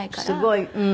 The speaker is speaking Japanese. すごい。